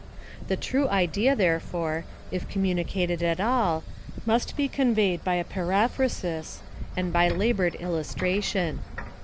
The true idea, therefore, if communicated at all, must be conveyed by a periphrasis, and by labored illus tration.